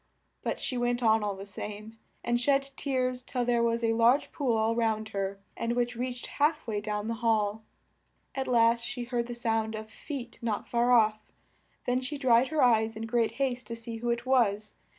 But she went on all the same, and shed tears till there was a large pool all round her, and which reached half way down the hall. At last she heard the sound of feet not far off, then she dried her eyes in great haste to see who it was.